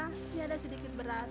biar sedikit beras